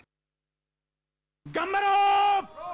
頑張ろう。